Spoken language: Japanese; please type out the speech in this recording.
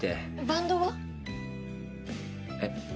バンドは？えっ？